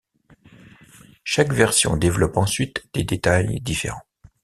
Chaque version développe ensuite des détails différents.